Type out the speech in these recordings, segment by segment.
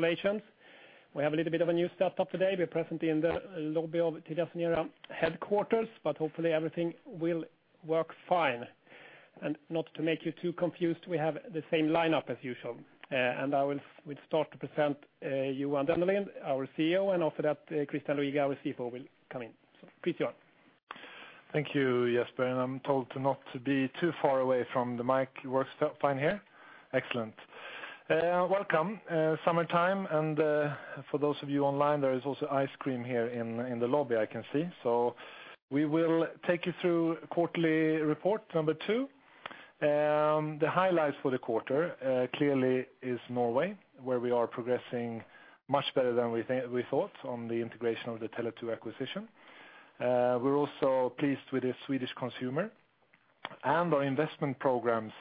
Congratulations. We have a little bit of a new setup today. We're presently in the lobby of Telia Company headquarters, but hopefully, everything will work fine. Not to make you too confused, we have the same lineup as usual. I will start to present, you, Johan Dennelind, our CEO, and after that, Christian Luiga, our CFO, will come in. Please, go on. Thank you, Jesper. I'm told to not to be too far away from the mic. Works fine here? Excellent. Welcome. Summertime. For those of you online, there is also ice cream here in the lobby, I can see. We will take you through quarterly report number two. The highlights for the quarter clearly is Norway, where we are progressing much better than we thought on the integration of the Tele2 acquisition. We're also pleased with the Swedish consumer and our investment programs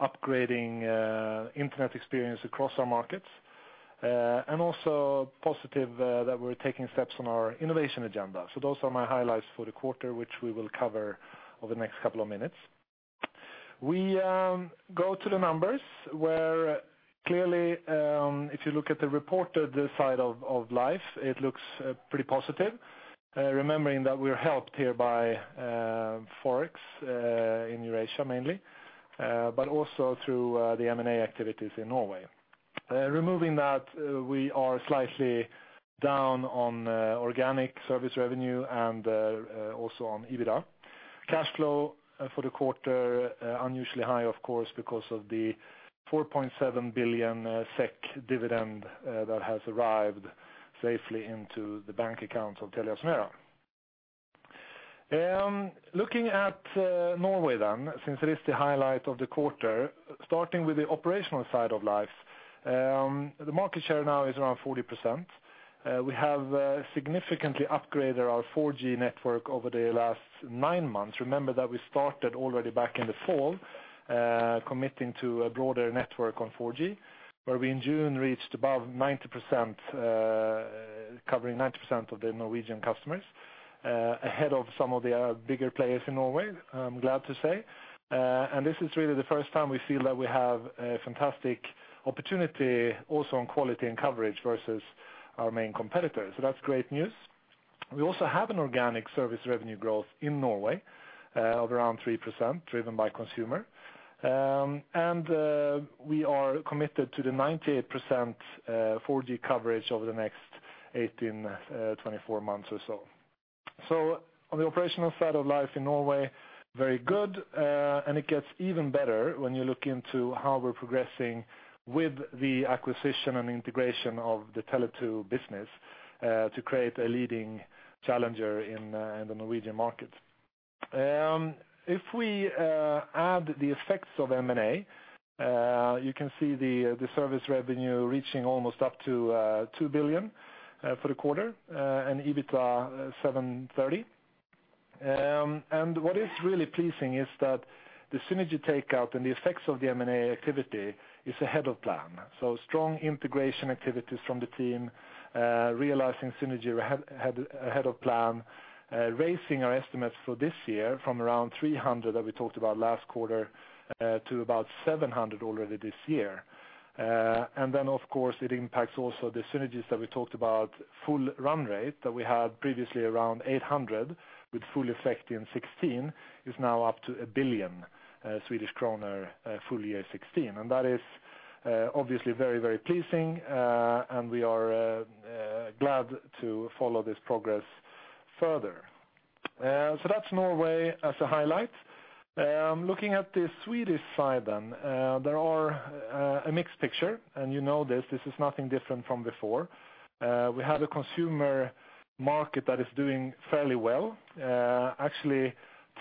upgrading internet experience across our markets. Positive that we're taking steps on our innovation agenda. Those are my highlights for the quarter, which we will cover over the next couple of minutes. We go to the numbers, where clearly, if you look at the reported side of life, it looks pretty positive. Remembering that we're helped here by Forex in Eurasia mainly, but also through the M&A activities in Norway. Removing that, we are slightly down on organic service revenue and also on EBITDA. Cash flow for the quarter, unusually high, of course, because of the 4.7 billion SEK dividend that has arrived safely into the bank account of Telia Company. Looking at Norway, since it is the highlight of the quarter, starting with the operational side of life. The market share now is around 40%. We have significantly upgraded our 4G network over the last nine months. Remember that we started already back in the fall, committing to a broader network on 4G, where we, in June, reached above 90%, covering 90% of the Norwegian customers, ahead of some of the bigger players in Norway, I'm glad to say. This is really the first time we feel that we have a fantastic opportunity also on quality and coverage versus our main competitors. That's great news. We also have an organic service revenue growth in Norway of around 3%, driven by consumer. We are committed to the 98% 4G coverage over the next 18-24 months or so. On the operational side of life in Norway, very good, and it gets even better when you look into how we're progressing with the acquisition and integration of the Tele2 business to create a leading challenger in the Norwegian market. If we add the effects of M&A, you can see the service revenue reaching almost up to 2 billion for the quarter, and EBITDA 730. What is really pleasing is that the synergy takeout and the effects of the M&A activity is ahead of plan. Strong integration activities from the team, realizing synergy ahead of plan, raising our estimates for this year from around 300, that we talked about last quarter, to about 700 already this year. It impacts also the synergies that we talked about full run rate that we had previously around 800, with full effect in 2016, is now up to 1 billion Swedish kronor full year 2016. That is obviously very pleasing. We are glad to follow this progress further. That's Norway as a highlight. Looking at the Swedish side. There are a mixed picture, you know this is nothing different from before. We have a consumer market that is doing fairly well. Actually,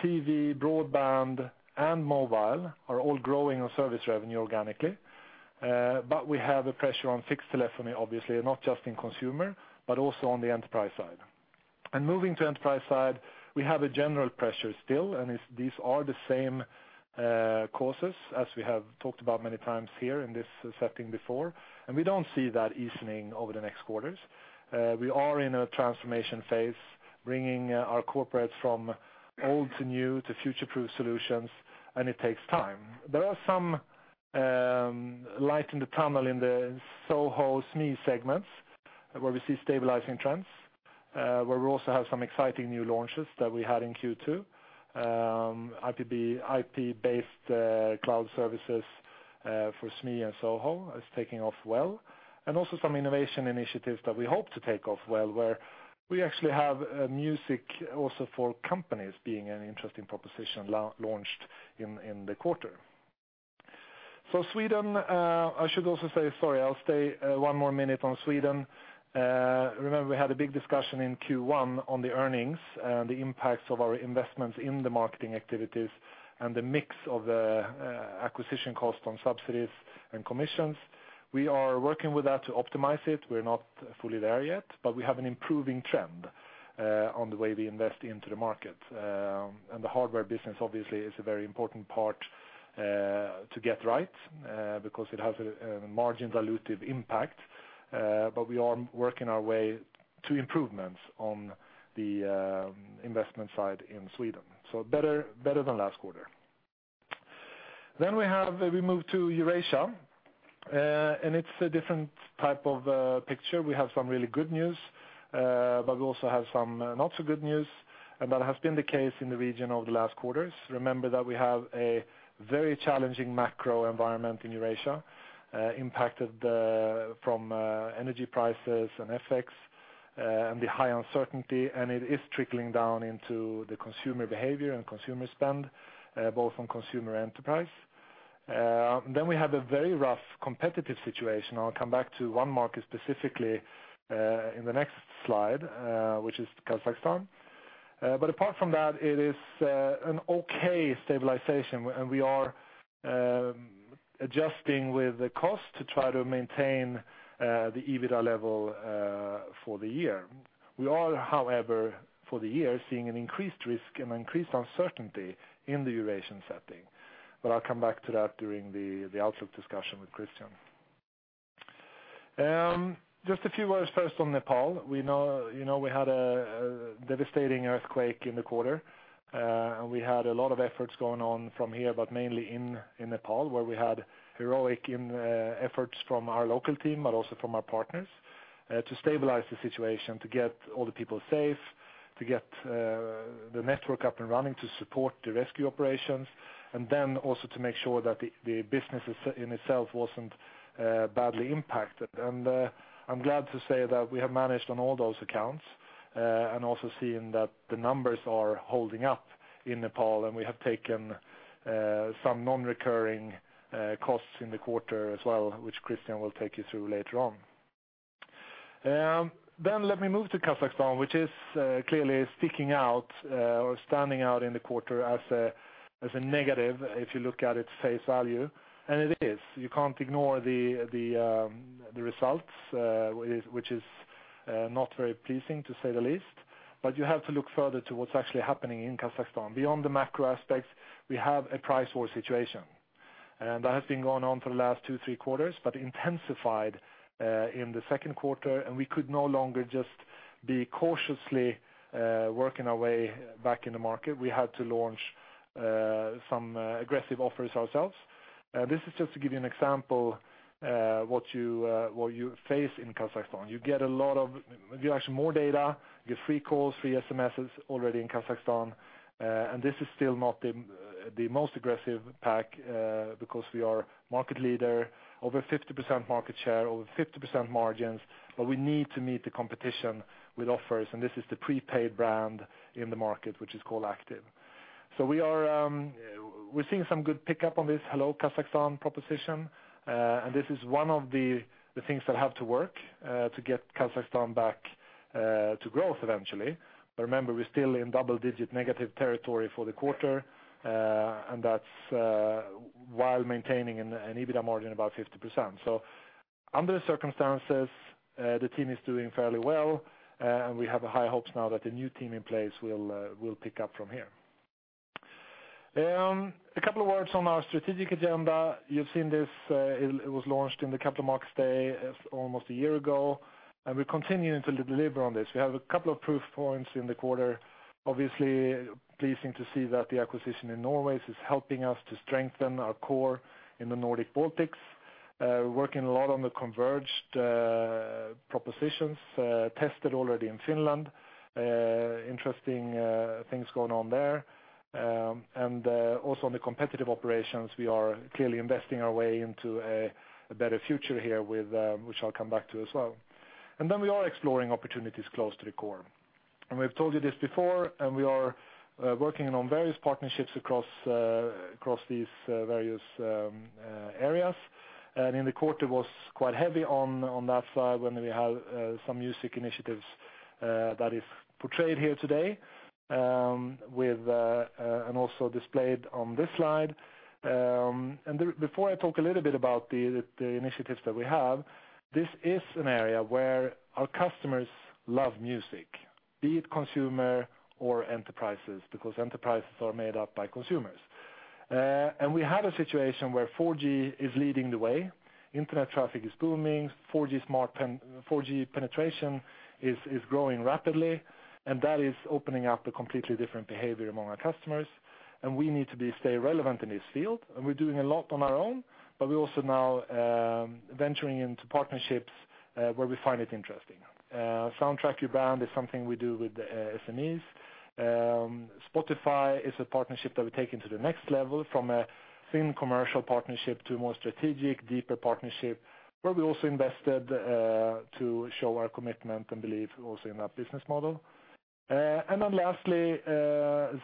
TV, broadband, and mobile are all growing on service revenue organically. We have a pressure on fixed telephony, obviously, not just in consumer, but also on the enterprise side. Moving to enterprise side, we have a general pressure still, these are the same causes as we have talked about many times here in this setting before, we don't see that easing over the next quarters. We are in a transformation phase, bringing our corporates from old to new to future-proof solutions, and it takes time. There are some light in the tunnel in the SOHO/SME segments, where we see stabilizing trends, where we also have some exciting new launches that we had in Q2. IP-based cloud services for SME and SOHO is taking off well, some innovation initiatives that we hope to take off well, where we actually have music also for companies being an interesting proposition launched in the quarter. Sweden, I should also say, sorry, I'll stay one more minute on Sweden. Remember we had a big discussion in Q1 on the earnings, the impacts of our investments in the marketing activities, and the mix of acquisition cost on subsidies and commissions. We are working with that to optimize it. We're not fully there yet, but we have an improving trend. On the way we invest into the market. The hardware business, obviously, is a very important part to get right, because it has a margin dilutive impact. We are working our way to improvements on the investment side in Sweden. Better than last quarter. We move to Eurasia, it's a different type of picture. We have some really good news, we also have some not so good news, that has been the case in the region over the last quarters. Remember that we have a very challenging macro environment in Eurasia, impacted from energy prices, FX, the high uncertainty, it is trickling down into the consumer behavior and consumer spend, both on consumer enterprise. We have a very rough competitive situation. I'll come back to one market specifically in the next slide, which is Kazakhstan. Apart from that, it is an okay stabilization, we are adjusting with the cost to try to maintain the EBITDA level for the year. We are, however, for the year, seeing an increased risk and increased uncertainty in the Eurasian setting. I'll come back to that during the outlook discussion with Christian. Just a few words first on Nepal. We had a devastating earthquake in the quarter, we had a lot of efforts going on from here, but mainly in Nepal, where we had heroic efforts from our local team, but also from our partners to stabilize the situation, to get all the people safe, to get the network up and running to support the rescue operations, also to make sure that the business in itself wasn't badly impacted. I'm glad to say that we have managed on all those accounts, also seeing that the numbers are holding up in Nepal, we have taken some non-recurring costs in the quarter as well, which Christian will take you through later on. Let me move to Kazakhstan, which is clearly sticking out or standing out in the quarter as a negative if you look at its face value, and it is. You can't ignore the results, which is not very pleasing to say the least. You have to look further to what's actually happening in Kazakhstan. Beyond the macro aspects, we have a price war situation. That has been going on for the last two, three quarters, but intensified in the second quarter, we could no longer just be cautiously working our way back in the market. We had to launch some aggressive offers ourselves. This is just to give you an example what you face in Kazakhstan. You get actually more data, you get free calls, free SMSs already in Kazakhstan. This is still not the most aggressive pack because we are market leader, over 50% market share, over 50% margins, but we need to meet the competition with offers, and this is the prepaid brand in the market, which is Activ. We're seeing some good pickup on this Hello Kazakhstan proposition. This is one of the things that have to work to get Kazakhstan back to growth eventually. But remember, we're still in double-digit negative territory for the quarter, that's while maintaining an EBITDA margin of about 50%. Under the circumstances, the team is doing fairly well, we have high hopes now that the new team in place will pick up from here. A couple of words on our strategic agenda. You've seen this. It was launched in the Capital Markets Day almost a year ago, we're continuing to deliver on this. We have a couple of proof points in the quarter. Obviously pleasing to see that the acquisition in Norway is helping us to strengthen our core in the Nordic Baltics. Working a lot on the converged propositions, tested already in Finland. Interesting things going on there. Also on the competitive operations, we are clearly investing our way into a better future here, which I'll come back to as well. We are exploring opportunities close to the core. We've told you this before, we are working on various partnerships across these various areas. In the quarter was quite heavy on that side when we have some music initiatives that is portrayed here today and also displayed on this slide. Before I talk a little bit about the initiatives that we have, this is an area where our customers love music, be it consumer or enterprises, because enterprises are made up by consumers. We had a situation where 4G is leading the way. Internet traffic is booming. 4G penetration is growing rapidly, that is opening up a completely different behavior among our customers, and we need to stay relevant in this field. We're doing a lot on our own, but we're also now venturing into partnerships where we find it interesting. Soundtrack Your Brand is something we do with SMEs. Spotify is a partnership that we're taking to the next level from a thin commercial partnership to a more strategic, deeper partnership where we also invested to show our commitment and belief also in that business model. Lastly,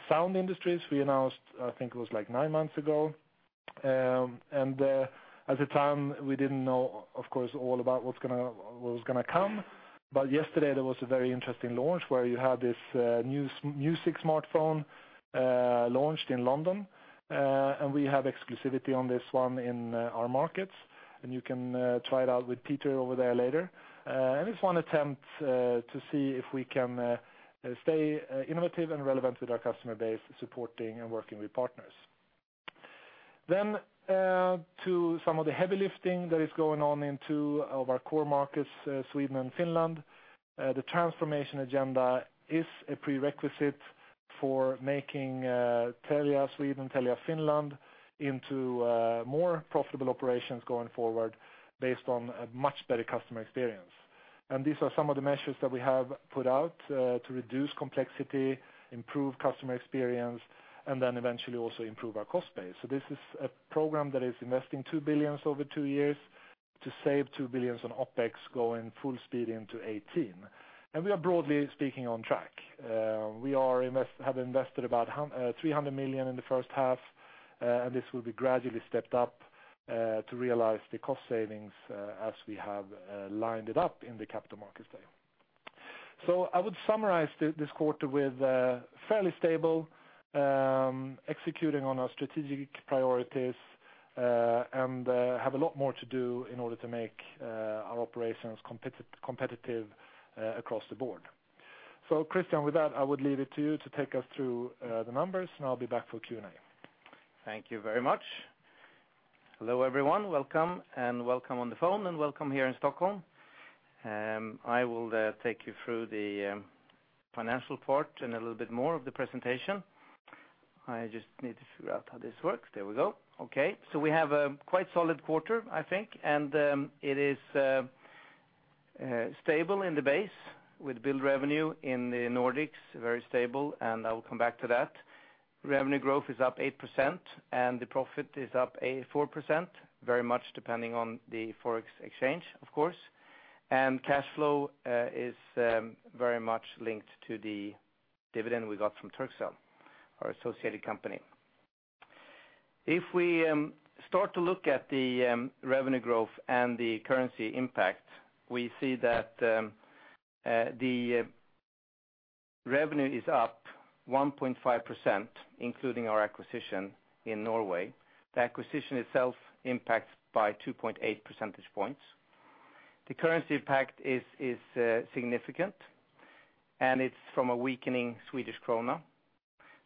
Zound Industries. We announced, I think it was nine months ago. At the time, we didn't know, of course, all about what was going to come. Yesterday there was a very interesting launch where you had this new music smartphone launched in London, and we have exclusivity on this one in our markets, and you can try it out with Peter over there later. It's one attempt to see if we can stay innovative and relevant with our customer base, supporting and working with partners. To some of the heavy lifting that is going on in two of our core markets, Sweden and Finland. The transformation agenda is a prerequisite for making Telia Sweden, Telia Finland into more profitable operations going forward based on a much better customer experience. These are some of the measures that we have put out to reduce complexity, improve customer experience, and eventually also improve our cost base. This is a program that is investing 2 billion over 2 years to save 2 billion on OpEx going full speed into 2018. We are broadly speaking on track. We have invested about 300 million in the first half, and this will be gradually stepped up to realize the cost savings as we have lined it up in the Capital Markets Day. I would summarize this quarter with fairly stable, executing on our strategic priorities, and have a lot more to do in order to make our operations competitive across the board. Christian, with that, I would leave it to you to take us through the numbers, and I'll be back for Q&A. Thank you very much. Hello, everyone. Welcome, welcome on the phone, and welcome here in Stockholm. I will take you through the financial part and a little bit more of the presentation. I just need to figure out how this works. There we go. Okay. We have a quite solid quarter, I think, and it is stable in the base with billed revenue in the Nordics, very stable, and I will come back to that. Revenue growth is up 8%, and the profit is up 4%, very much depending on the Forex exchange, of course. Cash flow is very much linked to the dividend we got from Turkcell, our associated company. If we start to look at the revenue growth and the currency impact, we see that the revenue is up 1.5%, including our acquisition in Norway. The acquisition itself impacts by 2.8 percentage points. The currency impact is significant, it's from a weakening Swedish krona.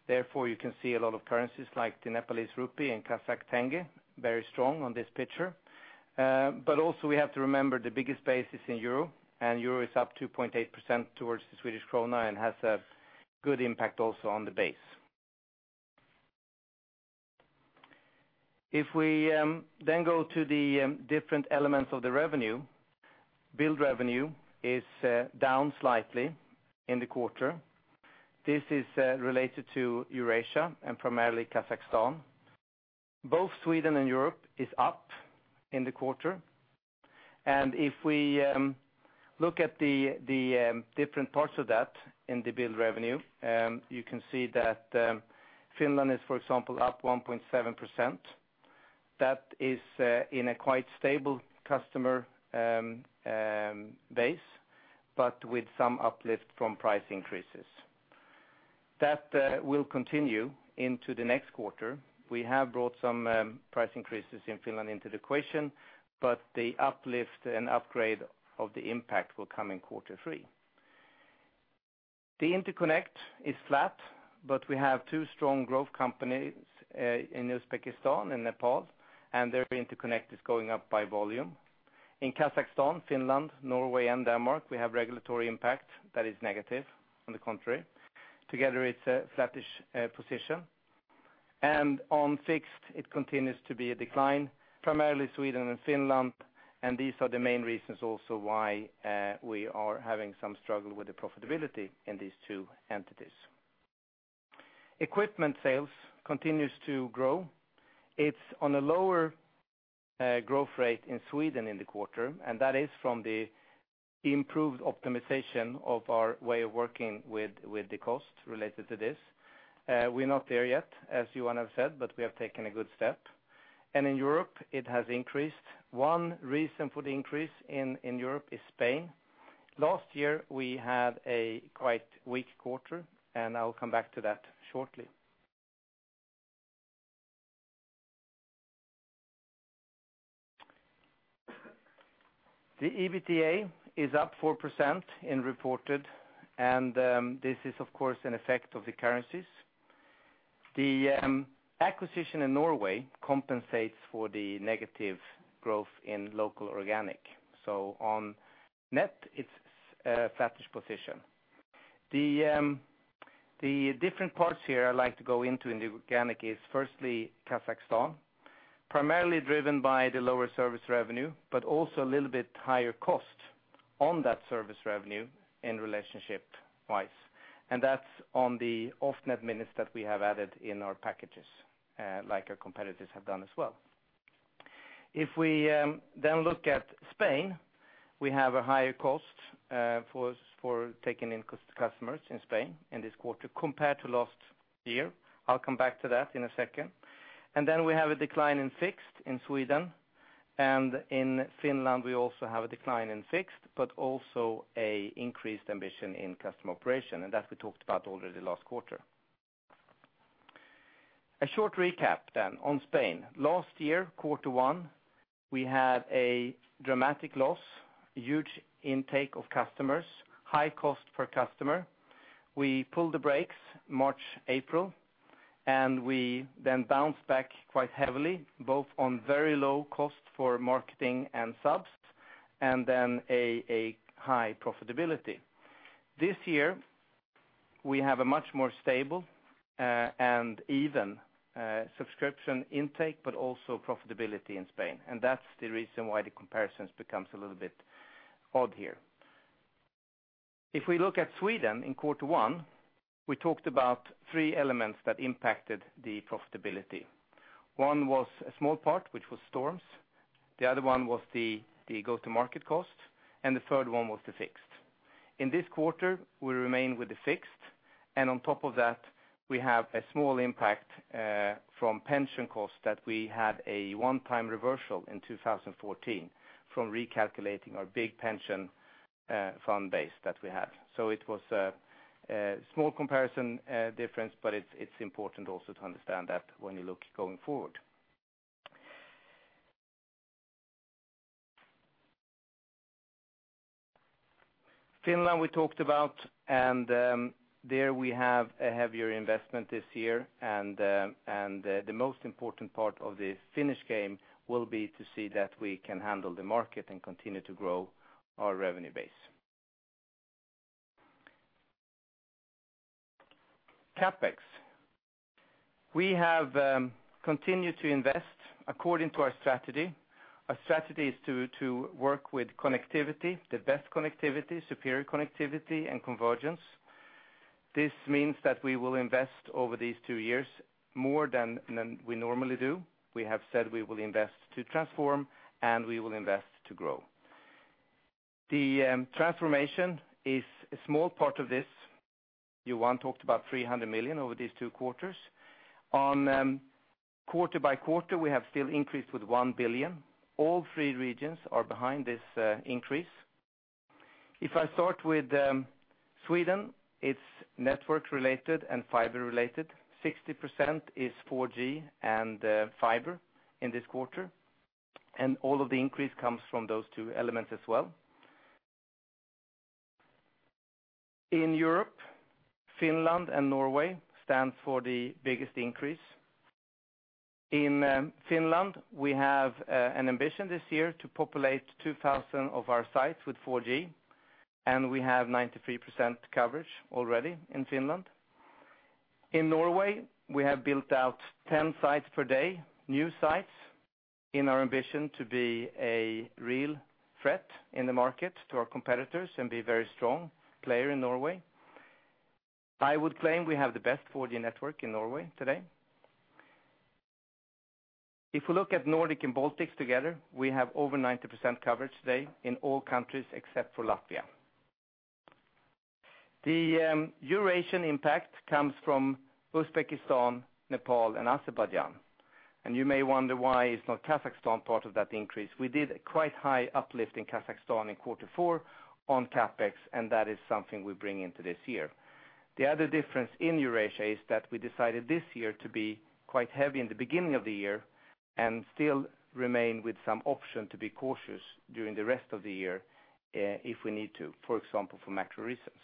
Therefore, you can see a lot of currencies like the Nepalese rupee and Kazakhstani tenge, very strong on this picture. Also we have to remember the biggest base is in EUR is up 2.8% towards the Swedish krona and has a good impact also on the base. We go to the different elements of the revenue, billed revenue is down slightly in the quarter. This is related to Eurasia and primarily Kazakhstan. Both Sweden and Europe is up in the quarter. If we look at the different parts of that in the billed revenue, you can see that Finland is, for example, up 1.7%. That is in a quite stable customer base, but with some uplift from price increases. That will continue into the next quarter. We have brought some price increases in Finland into the equation, the uplift and upgrade of the impact will come in quarter 3. The interconnect is flat, we have two strong growth companies in Uzbekistan and Nepal, their interconnect is going up by volume. In Kazakhstan, Finland, Norway, and Denmark, we have regulatory impact that is negative on the contrary. Together, it's a flattish position. On fixed, it continues to be a decline, primarily Sweden and Finland, these are the main reasons also why we are having some struggle with the profitability in these two entities. Equipment sales continues to grow. It's on a lower growth rate in Sweden in the quarter, that is from the improved optimization of our way of working with the costs related to this. We're not there yet, as Johan has said, but we have taken a good step. In Europe, it has increased. One reason for the increase in Europe is Spain. Last year, we had a quite weak quarter, I'll come back to that shortly. The EBITDA is up 4% in reported, this is, of course, an effect of the currencies. The acquisition in Norway compensates for the negative growth in local organic. On net, it's a flattish position. The different parts here I'd like to go into in the organic is firstly, Kazakhstan, primarily driven by the lower service revenue, also a little bit higher cost on that service revenue in relationship wise. That's on the off-net minutes that we have added in our packages, like our competitors have done as well. We look at Spain, we have a higher cost for taking in customers in Spain in this quarter compared to last year. I'll come back to that in a second. We have a decline in fixed in Sweden. In Finland, we also have a decline in fixed, also a increased ambition in customer operation, that we talked about already last quarter. A short recap on Spain. Last year, quarter 1, we had a dramatic loss, huge intake of customers, high cost per customer. We pulled the brakes March, April, we bounced back quite heavily, both on very low cost for marketing and subs, a high profitability. This year, we have a much more stable and even subscription intake, also profitability in Spain. That's the reason why the comparisons becomes a little bit odd here. If we look at Sweden in quarter 1, we talked about three elements that impacted the profitability. One was a small part, which was storms. The other one was the go-to-market cost, and the third one was the fixed. In this quarter, we remain with the fixed, and on top of that, we have a small impact from pension costs that we had a one-time reversal in 2014 from recalculating our big pension fund base that we have. It was a small comparison difference, but it's important also to understand that when you look going forward. Finland we talked about. There we have a heavier investment this year, and the most important part of the Finnish game will be to see that we can handle the market and continue to grow our revenue base. CapEx. We have continued to invest according to our strategy. Our strategy is to work with connectivity, the best connectivity, superior connectivity, and convergence. This means that we will invest over these two years more than we normally do. We have said we will invest to transform, and we will invest to grow. The transformation is a small part of this. Johan talked about 300 million over these two quarters. Quarter by quarter, we have still increased with 1 billion. All three regions are behind this increase. If I start with Sweden, it's network-related and fiber-related. 60% is 4G and fiber in this quarter, and all of the increase comes from those two elements as well. In Europe, Finland and Norway stand for the biggest increase. In Finland, we have an ambition this year to populate 2,000 of our sites with 4G, and we have 93% coverage already in Finland. In Norway, we have built out 10 sites per day, new sites, in our ambition to be a real threat in the market to our competitors and be a very strong player in Norway. I would claim we have the best 4G network in Norway today. If we look at Nordic and Baltics together, we have over 90% coverage today in all countries except for Latvia. The Eurasian impact comes from Uzbekistan, Nepal, and Azerbaijan. You may wonder why is not Kazakhstan part of that increase. We did quite high uplift in Kazakhstan in quarter four on CapEx, and that is something we bring into this year. The other difference in Eurasia is that we decided this year to be quite heavy in the beginning of the year and still remain with some option to be cautious during the rest of the year if we need to, for example, for macro reasons.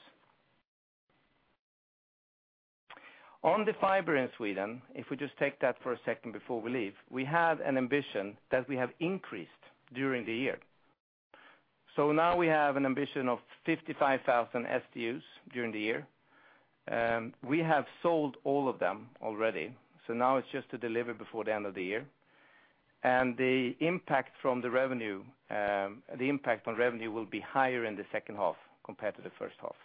The fiber in Sweden, if we just take that for a second before we leave, we have an ambition that we have increased during the year. Now we have an ambition of 55,000 SDUs during the year. We have sold all of them already. Now it's just to deliver before the end of the year. The impact on revenue will be higher in the second half compared to the first half.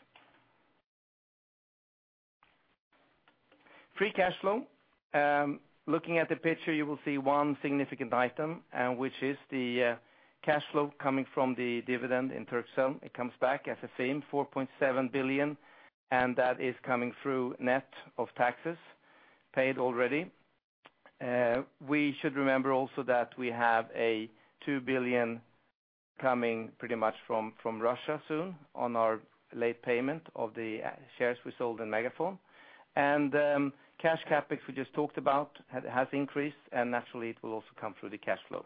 Free cash flow. Looking at the picture, you will see one significant item, which is the cash flow coming from the dividend in Turkcell. It comes back as the same 4.7 billion, and that is coming through net of taxes paid already. We should remember also that we have a 2 billion coming pretty much from Russia soon on our late payment of the shares we sold in MegaFon. Cash CapEx we just talked about has increased, and naturally, it will also come through the cash flow.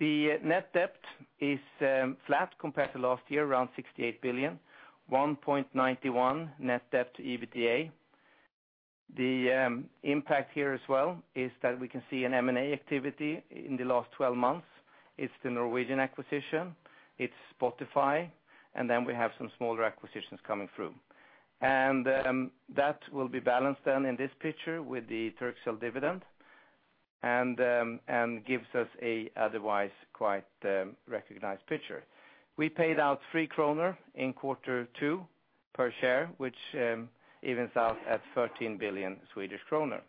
The net debt is flat compared to last year, around 68 billion, 1.91 net debt to EBITDA. The impact here as well is that we can see an M&A activity in the last 12 months. It's the Norwegian acquisition, it's Spotify, and then we have some smaller acquisitions coming through. That will be balanced then in this picture with the Turkcell dividend and gives us a otherwise quite recognized picture. We paid out 3 kronor in quarter two per share, which evens out at 13 billion Swedish kronor.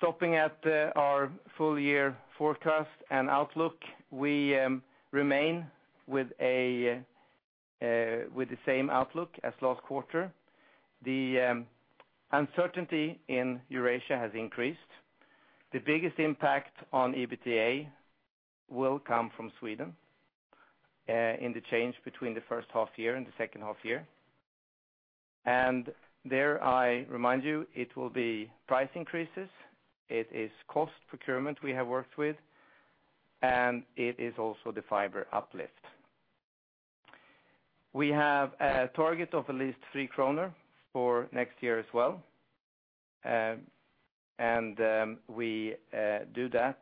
Stopping at our full year forecast and outlook, we remain with the same outlook as last quarter. The uncertainty in Eurasia has increased. The biggest impact on EBITDA will come from Sweden in the change between the first half year and the second half year. There I remind you it will be price increases. It is cost procurement we have worked with, and it is also the fiber uplift. We have a target of at least 3 kronor for next year as well. We do that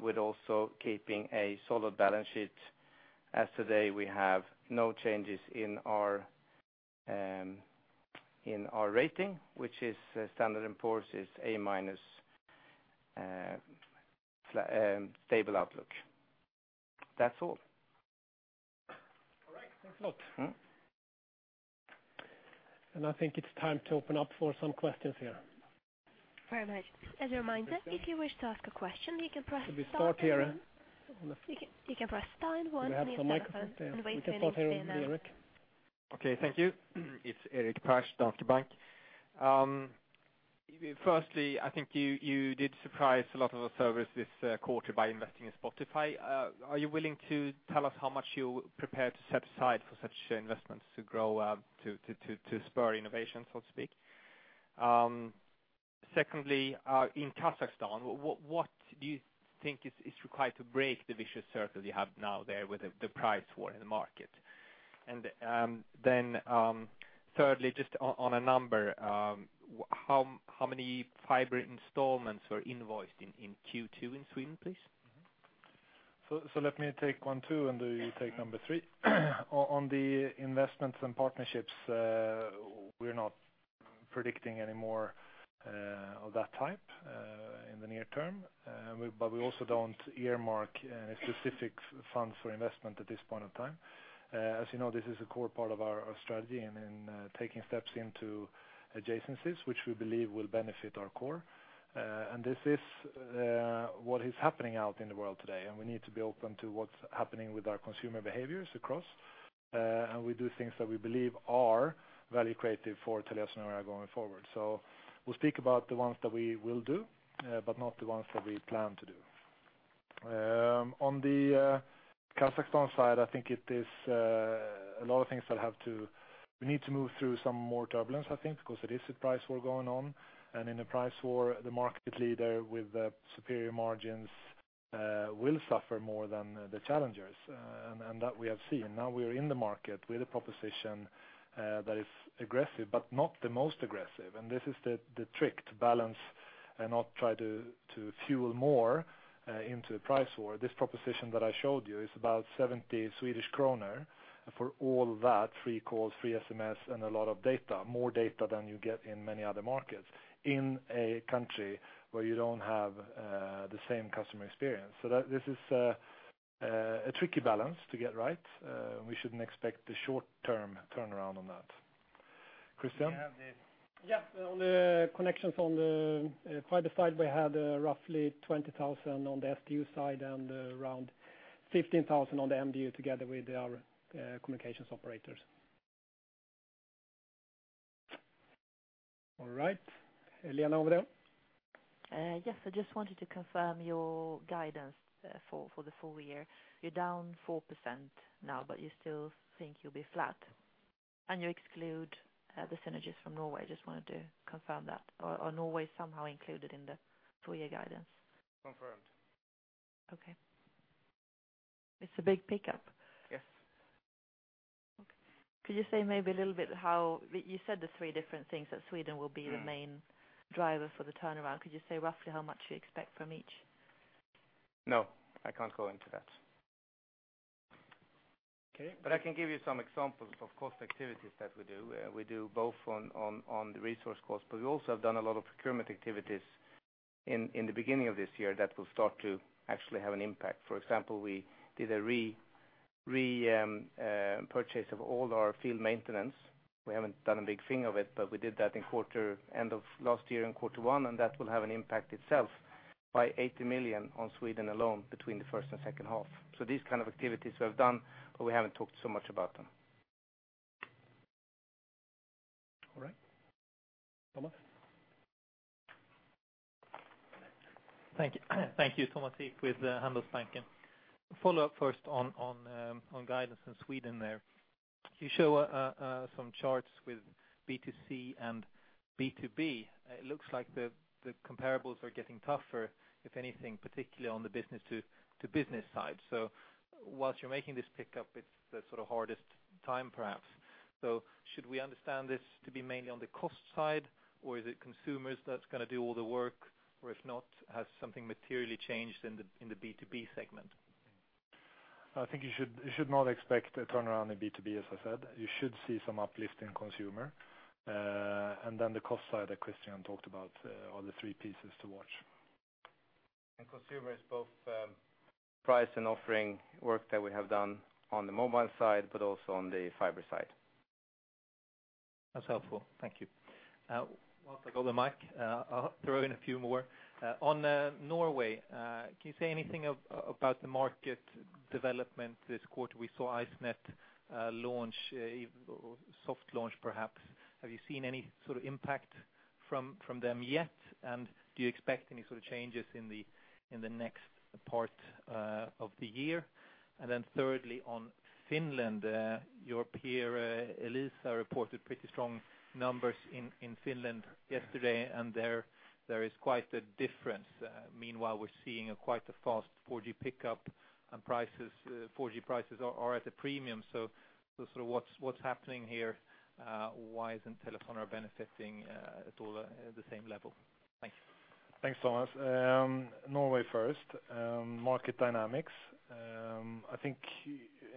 with also keeping a solid balance sheet. As today, we have no changes in our rating, which is Standard & Poor's is A-, stable outlook. That's all. All right. Thanks a lot. I think it's time to open up for some questions here. Very much. As a reminder, if you wish to ask a question, you can press star and one. Should we start here on the? You can press star and one on your telephone. Do we have some microphones there? Wait for instructions from the announcer. We can start here with Erik. Okay. Thank you. It's Erik Penser, DNB Bank. Firstly, I think you did surprise a lot of us analysts this quarter by investing in Spotify. Are you willing to tell us how much you're prepared to set aside for such investments to grow, to spur innovation, so to speak? Secondly, in Kazakhstan, what do you think is required to break the vicious circle you have now there with the price war in the market? Thirdly, just on a number, how many fiber installments were invoiced in Q2 in Sweden, please? Let me take one, two, and you take number three. On the investments and partnerships, we're not predicting any more of that type in the near term. We also don't earmark specific funds for investment at this point in time. As you know, this is a core part of our strategy and in taking steps into adjacencies, which we believe will benefit our core. This is what is happening out in the world today, and we need to be open to what's happening with our consumer behaviors across, and we do things that we believe are value creative for TeliaSonera going forward. We'll speak about the ones that we will do, but not the ones that we plan to do. On the Kazakhstan side, I think it is a lot of things that we need to move through some more turbulence, I think, because it is a price war going on. In a price war, the market leader with the superior margins will suffer more than the challengers. That we have seen. Now we are in the market with a proposition that is aggressive, but not the most aggressive. This is the trick, to balance and not try to fuel more into the price war. This proposition that I showed you is about 70 Swedish kronor for all that, free calls, free SMS, and a lot of data, more data than you get in many other markets, in a country where you don't have the same customer experience. This is a tricky balance to get right. We shouldn't expect the short-term turnaround on that. Christian? Can we have the On the connections on the fiber side, we had roughly 20,000 on the SDU side and around 15,000 on the MDU together with our communications operators. All right. Elena over there. Yes. I just wanted to confirm your guidance for the full year. You're down 4% now, but you still think you'll be flat, and you exclude the synergies from Norway. Just wanted to confirm that. Norway is somehow included in the full year guidance? Confirmed. Okay. It's a big pickup. Yes. Okay. Could you say maybe a little bit how, you said the three different things, that Sweden will be the main driver for the turnaround. Could you say roughly how much you expect from each? No, I can't go into that. Okay. I can give you some examples of cost activities that we do. We do both on the resource cost, but we also have done a lot of procurement activities in the beginning of this year that will start to actually have an impact. For example, we did a repurchase of all our field maintenance. We haven't done a big thing of it, but we did that end of last year in quarter one, and that will have an impact itself by 80 million on Sweden alone between the first and second half. These kind of activities we have done, but we haven't talked so much about them. All right. Thomas. Thank you, Thomas Heath, with Handelsbanken. Follow-up first on guidance in Sweden there. You show some charts with B2C and B2B. It looks like the comparables are getting tougher, if anything, particularly on the business-to-business side. Whilst you're making this pickup, it's the sort of hardest time, perhaps. Should we understand this to be mainly on the cost side, or is it consumers that's going to do all the work, or if not, has something materially changed in the B2B segment? I think you should not expect a turnaround in B2B, as I said. You should see some uplift in consumer. The cost side that Christian talked about are the three pieces to watch. Consumer is both price and offering work that we have done on the mobile side, but also on the fiber side. That's helpful. Thank you. While I got the mic, I'll throw in a few more. On Norway, can you say anything about the market development this quarter? We saw Ice.net launch, soft launch perhaps. Have you seen any sort of impact? From them yet. Do you expect any sort of changes in the next part of the year? Thirdly, on Finland, your peer, Elisa, reported pretty strong numbers in Finland yesterday, and there is quite a difference. Meanwhile, we're seeing quite a fast 4G pickup and 4G prices are at a premium. What's happening here? Why isn't Sonera benefiting at all at the same level? Thanks. Thanks, Thomas. Norway first. Market dynamics. I think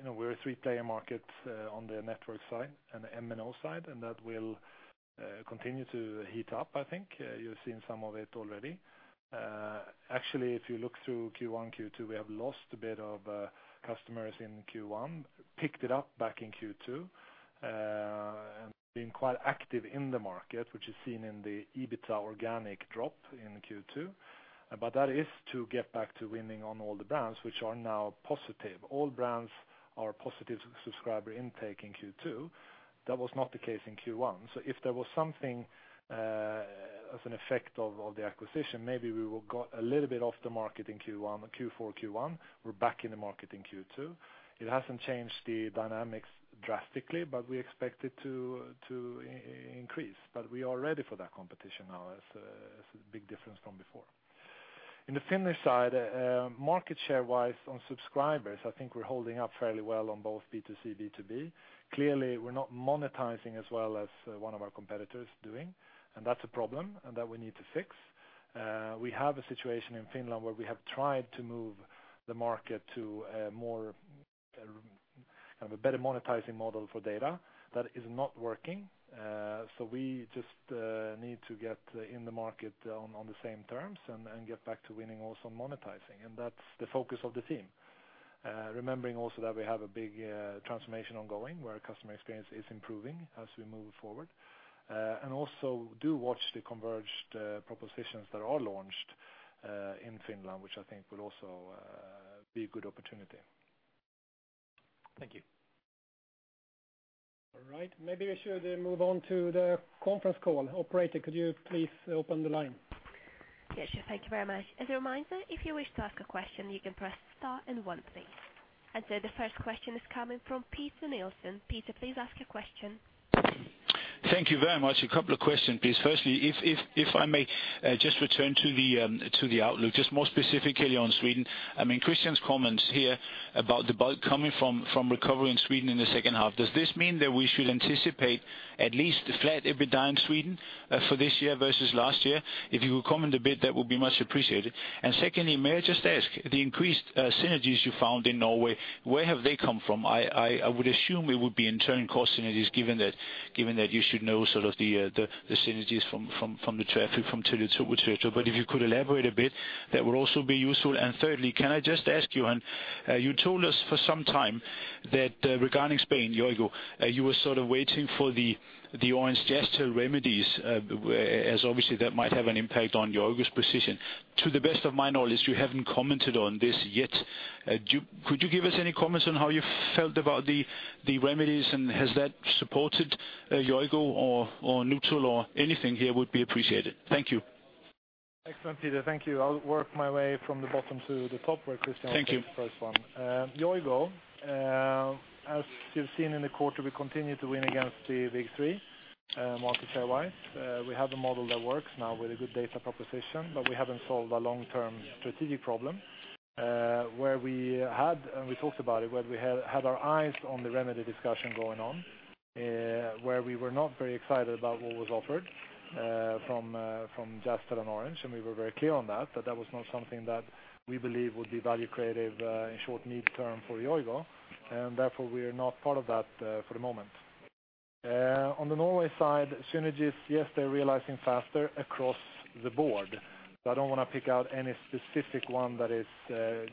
we're a three-player market on the network side and the MNO side, and that will continue to heat up, I think. You're seeing some of it already. Actually, if you look through Q1, Q2, we have lost a bit of customers in Q1, picked it up back in Q2, and been quite active in the market, which is seen in the EBITDA organic drop in Q2. That is to get back to winning on all the brands, which are now positive. All brands are positive subscriber intake in Q2. That was not the case in Q1. If there was something as an effect of the acquisition, maybe we will got a little bit off the market in Q4, Q1. We're back in the market in Q2. It hasn't changed the dynamics drastically, but we expect it to increase. We are ready for that competition now, as a big difference from before. In the Finnish side, market share-wise on subscribers, I think we're holding up fairly well on both B2C, B2B. Clearly, we're not monetizing as well as one of our competitors doing, and that's a problem, and that we need to fix. We have a situation in Finland where we have tried to move the market to a better monetizing model for data. That is not working. We just need to get in the market on the same terms and get back to winning also on monetizing. That's the focus of the team. Remembering also that we have a big transformation ongoing, where customer experience is improving as we move forward. Also do watch the converged propositions that are launched in Finland, which I think will also be a good opportunity. Thank you. All right. Maybe we should move on to the conference call. Operator, could you please open the line? Yes, sure. Thank you very much. As a reminder, if you wish to ask a question, you can press star and one please. The first question is coming from Peter Nielsen. Peter, please ask a question. Thank you very much. A couple of questions, please. Firstly, if I may just return to the outlook, just more specifically on Sweden. Christian's comments here about the bulk coming from recovery in Sweden in the second half, does this mean that we should anticipate at least flat EBITDA in Sweden for this year versus last year? If you could comment a bit, that would be much appreciated. Secondly, may I just ask, the increased synergies you found in Norway, where have they come from? I would assume it would be in turn cost synergies, given that you should know the synergies from the traffic from Telia to Telia. If you could elaborate a bit, that would also be useful. Thirdly, can I just ask you told us for some time that regarding Spain, Yoigo, you were sort of waiting for the Orange gesture remedies, as obviously that might have an impact on Yoigo's position. To the best of my knowledge, you haven't commented on this yet. Could you give us any comments on how you felt about the remedies, Has that supported Yoigo or neutral or anything here would be appreciated. Thank you. Excellent, Peter. Thank you. I'll work my way from the bottom to the top where Christian Thank you. will take the first one. Yoigo, as you've seen in the quarter, we continue to win against the big three, market share-wise. We have a model that works now with a good data proposition. We haven't solved a long-term strategic problem. We had, and we talked about it, our eyes on the remedy discussion going on, where we were not very excited about what was offered from Jazztel and Orange. We were very clear on that that was not something that we believe would be value creative in short, mid-term for Yoigo. Therefore, we are not part of that for the moment. On the Norway side, synergies, yes, they're realizing faster across the board. I don't want to pick out any specific one that is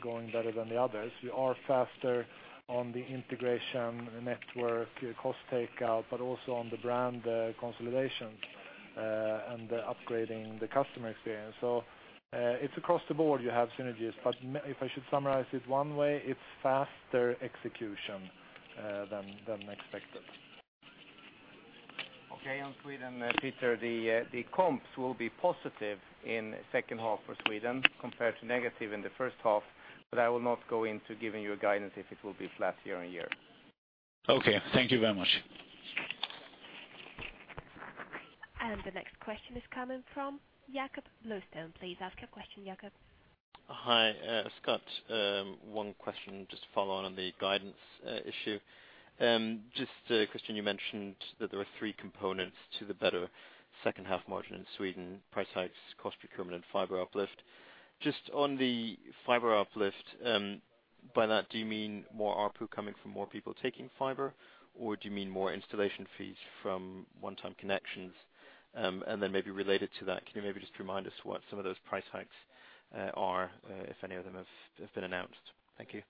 going better than the others. We are faster on the integration, network, cost takeout, but also on the brand consolidation, and upgrading the customer experience. It is across the board you have synergies. If I should summarize it one way, it is faster execution than expected. Okay. On Sweden, Peter, the comps will be positive in second half for Sweden compared to negative in the first half, I will not go into giving you a guidance if it will be flat year-on-year. Okay. Thank you very much. The next question is coming from Jakob Bluestone. Please ask your question, Jakob. Hi. Scott. One question just to follow on the guidance issue. Just, Christian, you mentioned that there are three components to the better second half margin in Sweden, price hikes, cost procurement, and fiber uplift. Just on the fiber uplift, by that, do you mean more ARPU coming from more people taking fiber, or do you mean more installation fees from one-time connections? Maybe related to that, can you maybe just remind us what some of those price hikes are, if any of them have been announced? Thank you.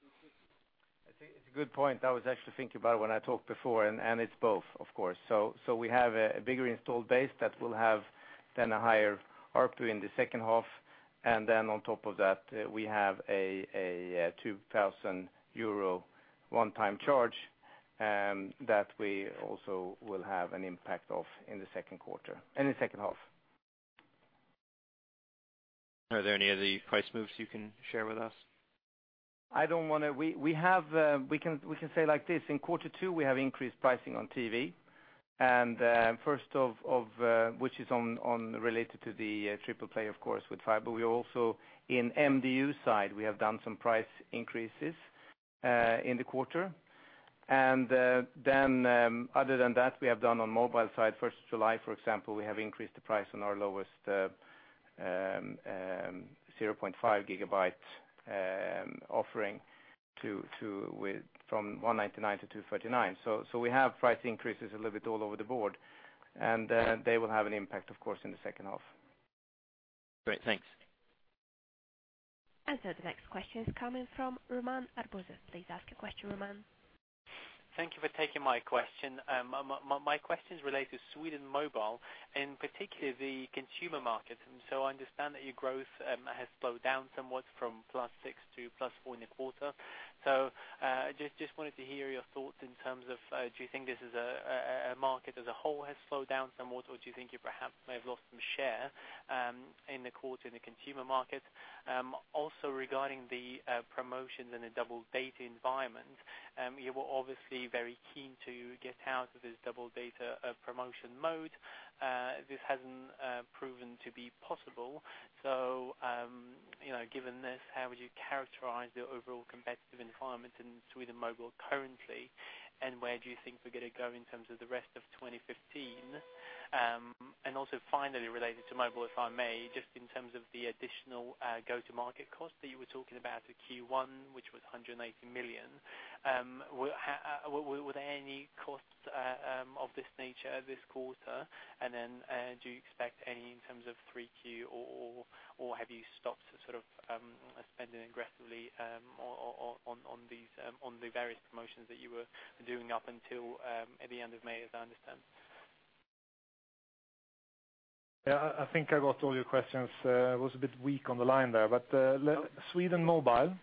I think it's a good point. I was actually thinking about it when I talked before, it's both, of course. We have a bigger installed base that will have then a higher ARPU in the second half. On top of that, we have a 2,000 euro one-time charge that we also will have an impact of in the second quarter, in the second half. Are there any other price moves you can share with us? We can say like this: in quarter 2 we have increased pricing on TV, first of which is related to the triple play, of course, with fiber. We also, in MDU side, we have done some price increases in the quarter. Other than that, we have done on mobile side, 1st of July, for example, we have increased the price on our lowest 0.5 gigabytes offering from 199 to 239. We have price increases a little bit all over the board, they will have an impact, of course, in the second half. Great. Thanks. The next question is coming from Roman Arbuzov. Please ask your question, Roman. Thank you for taking my question. My question is related to Sweden Mobile, and particularly the consumer market. I understand that your growth has slowed down somewhat from +6% to +4% in the quarter. Just wanted to hear your thoughts in terms of, do you think this is a market as a whole has slowed down somewhat, or do you think you perhaps may have lost some share in the quarter in the consumer market? Also regarding the promotions in a double data environment, you were obviously very keen to get out of this double data promotion mode. This hasn't proven to be possible. Given this, how would you characterize the overall competitive environment in Sweden Mobile currently, and where do you think we're going to go in terms of the rest of 2015? Finally, related to mobile, if I may, just in terms of the additional go-to market cost that you were talking about at Q1, which was 180 million. Were there any costs of this nature this quarter, and do you expect any in terms of 3Q or have you stopped sort of spending aggressively on the various promotions that you were doing up until the end of May, as I understand? Yeah, I think I got all your questions. I was a bit weak on the line there. Sweden Mobile,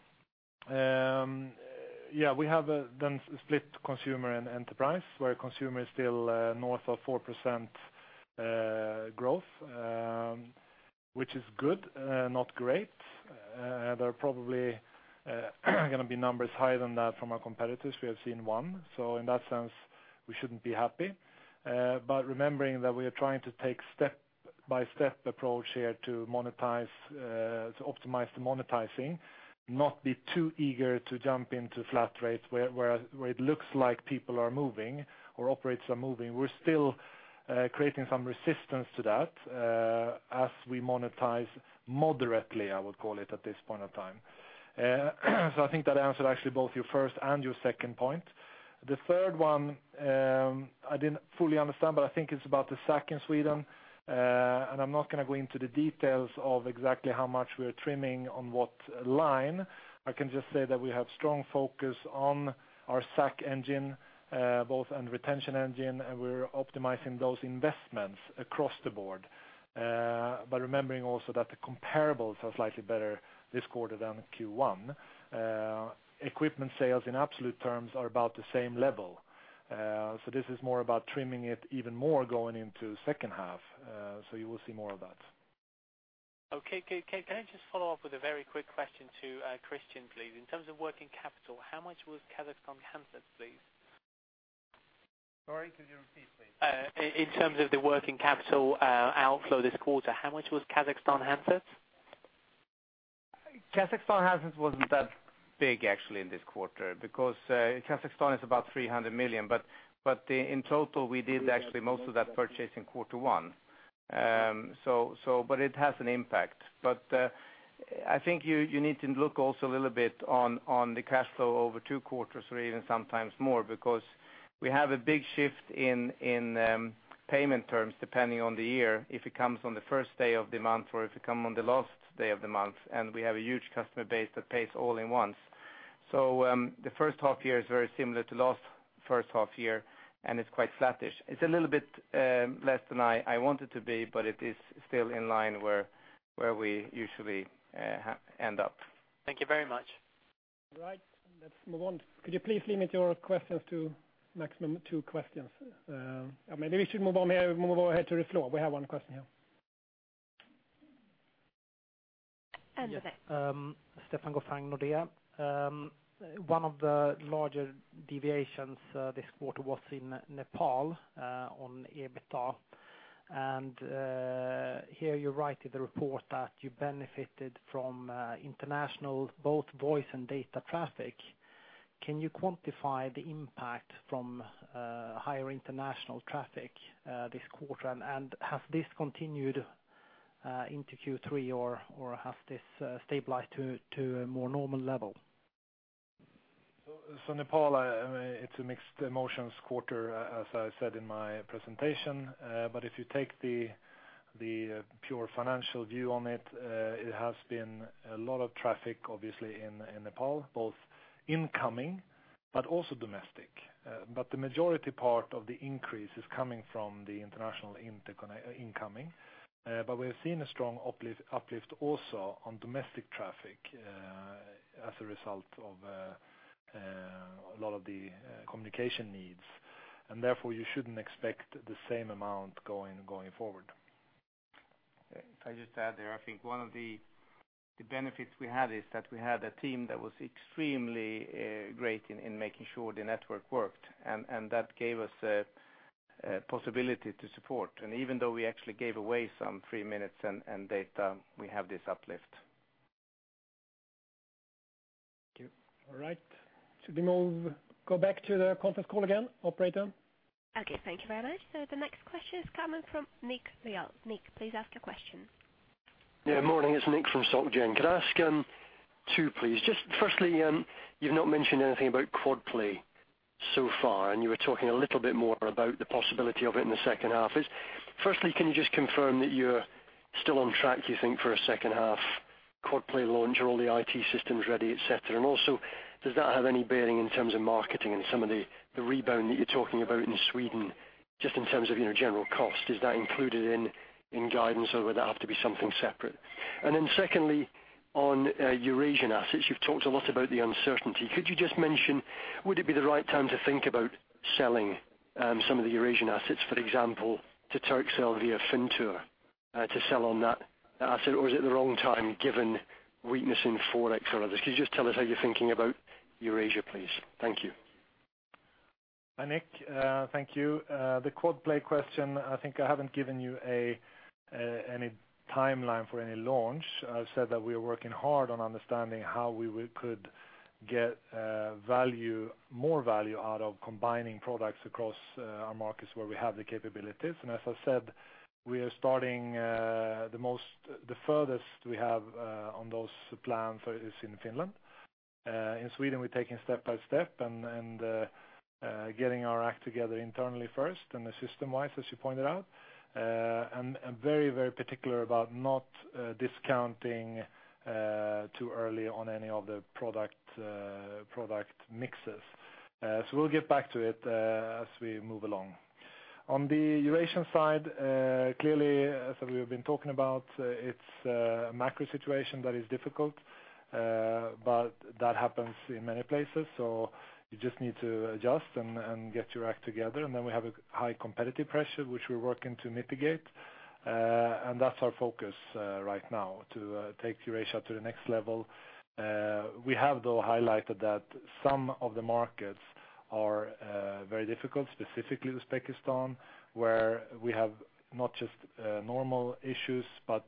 we have done split consumer and enterprise, where consumer is still north of 4% growth, which is good, not great. There are probably going to be numbers higher than that from our competitors. We have seen one. In that sense, we shouldn't be happy. Remembering that we are trying to take step-by-step approach here to optimize the monetizing, not be too eager to jump into flat rates where it looks like people are moving or operators are moving. We're still creating some resistance to that as we monetize moderately, I would call it at this point of time. I think that answered actually both your first and your second point. The third one, I didn't fully understand, but I think it's about the SAC in Sweden. I'm not going to go into the details of exactly how much we're trimming on what line. I can just say that we have strong focus on our SAC engine, both, and retention engine, and we're optimizing those investments across the board. Remembering also that the comparables are slightly better this quarter than Q1. Equipment sales in absolute terms are about the same level. This is more about trimming it even more going into second half. You will see more of that. Okay. Can I just follow up with a very quick question to Christian, please? In terms of working capital, how much was Kazakhstan handset, please? Sorry, could you repeat, please? In terms of the working capital outflow this quarter, how much was Kazakhstan handset? Kazakhstan handset wasn't that big actually in this quarter because Kazakhstan is about 300 million, in total, we did actually most of that purchase in quarter one. It has an impact. I think you need to look also a little bit on the cash flow over two quarters, or even sometimes more, because we have a big shift in payment terms depending on the year, if it comes on the first day of the month or if it come on the last day of the month, and we have a huge customer base that pays all in once. The first half year is very similar to last first half year, and it's quite flattish. It's a little bit less than I want it to be, but it is still in line where we usually end up. Thank you very much. All right, let's move on. Could you please limit your questions to maximum two questions? Maybe we should move on here, move over here to the floor. We have one question here. Then. Yes. Stefan Gauffin, Nordea. One of the larger deviations this quarter was in Nepal, on EBITDA. Here you write in the report that you benefited from international both voice and data traffic. Can you quantify the impact from higher international traffic this quarter? Has this continued into Q3, or has this stabilized to a more normal level? Nepal, it's a mixed emotions quarter, as I said in my presentation. If you take the pure financial view on it has been a lot of traffic, obviously, in Nepal, both incoming, but also domestic. The majority part of the increase is coming from the international incoming. We have seen a strong uplift also on domestic traffic as a result of a lot of the communication needs. Therefore you shouldn't expect the same amount going forward. If I just add there, I think one of the benefits we had is that we had a team that was extremely great in making sure the network worked, and that gave us a possibility to support. Even though we actually gave away some free minutes and data, we have this uplift. Thank you. All right. Should we go back to the conference call again, operator? Okay. Thank you very much. The next question is coming from Nick Lyall. Nick, please ask a question. Yeah, morning. It's Nick from Societe Generale. Could I ask two, please? Just firstly, you've not mentioned anything about quad play so far, and you were talking a little bit more about the possibility of it in the second half. Firstly, can you just confirm that you're still on track, you think, for a second half quad play launch? Are all the IT systems ready, et cetera? Also, does that have any bearing in terms of marketing and some of the rebound that you're talking about in Sweden, just in terms of general cost? Is that included in guidance or would that have to be something separate? Secondly, on Eurasian assets, you've talked a lot about the uncertainty. Could you just mention, would it be the right time to think about selling some of the Eurasian assets, for example, to Turkcell via Fintur, to sell on that asset? Or is it the wrong time given weakness in Forex or others? Could you just tell us how you're thinking about Eurasia, please? Thank you. Hi, Nick. Thank you. The quad play question, I think I haven't given you any timeline for any launch. I've said that we are working hard on understanding how we could get more value out of combining products across our markets where we have the capabilities. As I said, we are starting the furthest we have on those plans is in Finland. In Sweden, we're taking step by step and getting our act together internally first and system-wise, as you pointed out. Very particular about not discounting too early on any of the product mixes. We'll get back to it as we move along. On the Eurasian side, clearly, as we have been talking about, it's a macro situation that is difficult. That happens in many places, so you just need to adjust and get your act together. We have a high competitive pressure, which we're working to mitigate. That's our focus right now, to take Eurasia to the next level. We have, though, highlighted that some of the markets are very difficult, specifically Uzbekistan, where we have not just normal issues, but